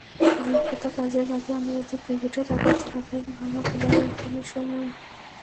অভিজ্ঞতা কাজে লাগিয়ে আন্তর্জাতিক ক্রিকেটে তাদের ধারাবাহিক ভালো খেলার এখনই সময়।